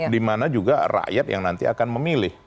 dimana juga rakyat yang nanti akan memilih